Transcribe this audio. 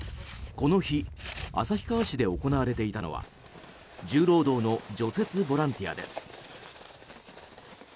この日旭川市で行われていたのは重労働の除雪ボランティアです。